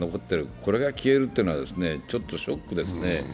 これが消えるというのは、ちょっとショックですね。